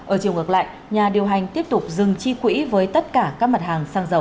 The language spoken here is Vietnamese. ở chiều ngược lại nhà điều hành tiếp tục dừng chi quỹ với tất cả các mặt hàng xăng dầu